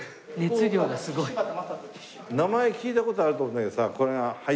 名前聞いた事あると思うんだけどさこれが。